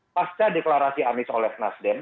pasca deklarasi anies oleh nasdem